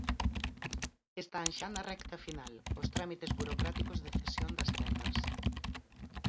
Están xa na recta final: os trámites burocráticos de cesión das terras.